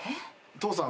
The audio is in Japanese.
父さん